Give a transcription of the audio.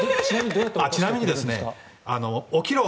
ちなみに、起きろ！